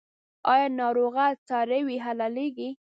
آیا ناروغه څاروي حلاليږي؟